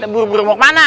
buru buru mau ke mana